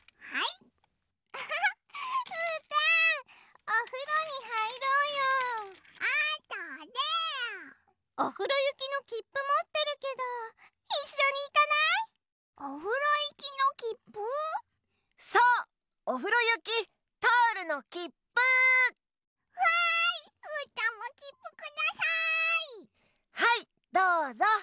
はいどうぞ。